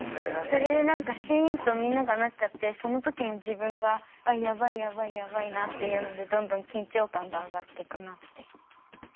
それで何かシンとみんながなっちゃってその時に自分がやばいやばいやばいなっていうのでどんどん緊張感が上がっていくなって。